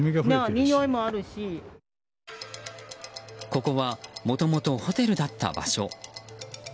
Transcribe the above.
ここはもともとホテルだった場所。